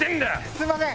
⁉すいません。